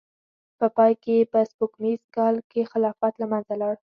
په پای کې په سپوږمیز کال کې خلافت له منځه لاړ.